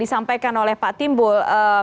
disampaikan oleh pak timbul